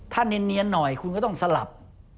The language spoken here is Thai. ถ้าเนียนหน่อยคุณก็ต้องสลับ